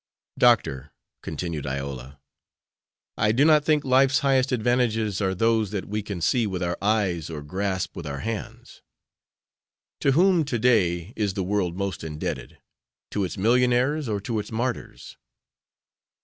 "Doctor," continued Iola, "I do not think life's highest advantages are those that we can see with our eyes or grasp with our hands. To whom to day is the world most indebted to its millionaires or to its martyrs?"